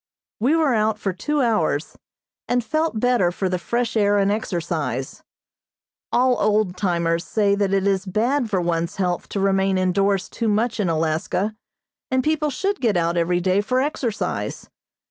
We were out for two hours, and felt better for the fresh air and exercise. All old timers say that it is bad for one's health to remain indoors too much in Alaska, and people should get out every day for exercise.